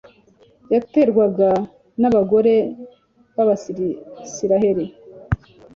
yaterwaga n’abagore b’abisiraheli,